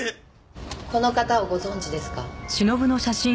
この方をご存じですか？